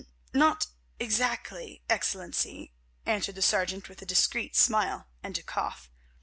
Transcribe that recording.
"Not exactly, Excellency," answered the sergeant with a discreet smile and a cough.